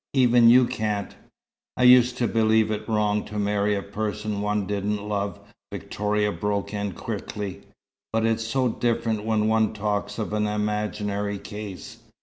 Even you can't " "I used to believe it wrong to marry a person one didn't love," Victoria broke in, quickly. "But it's so different when one talks of an imaginary case.